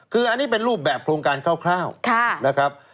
คืออันนี้เป็นรูปแบบโครงการคร่าวนะครับ